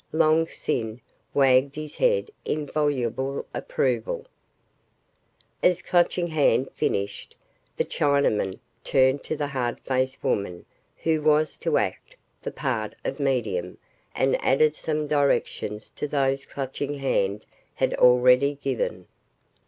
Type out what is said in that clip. Long Sin wagged his head in voluble approval. As Clutching Hand finished, the Chinaman turned to the hard faced woman who was to act the part of medium and added some directions to those Clutching Hand had already given.